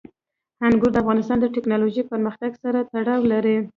انګور د افغانستان د تکنالوژۍ پرمختګ سره تړاو لري.